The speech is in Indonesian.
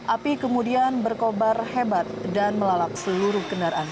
api kemudian berkobar hebat dan melalap seluruh kendaraan